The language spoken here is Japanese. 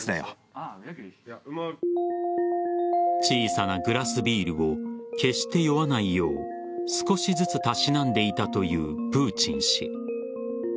小さなグラスビールを決して酔わないよう少しずつたしなんでいたというプーチン氏。